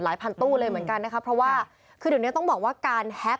พันตู้เลยเหมือนกันนะคะเพราะว่าคือเดี๋ยวนี้ต้องบอกว่าการแฮ็ก